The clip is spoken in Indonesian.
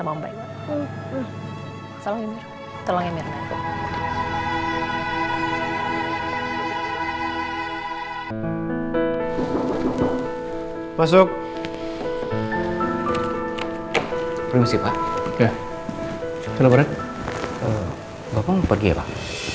bapak nggak pergi ya pak